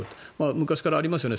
昔からありますよね。